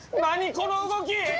この動き！